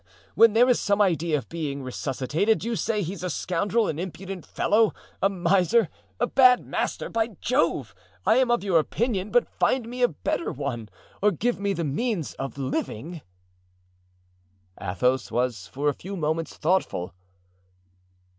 when there is some idea of being resuscitated, you say he's a scoundrel, an impudent fellow, a miser, a bad master! By Jove! I am of your opinion, but find me a better one or give me the means of living." Athos was for a few moments thoughtful.